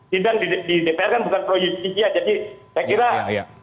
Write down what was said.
sidang di dpr kan bukan proyekisnya jadi saya kira